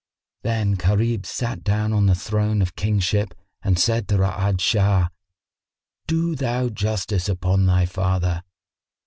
Then Gharib sat down on the throne of kingship and said to Ra'ad Shah, "Do thou justice upon thy father."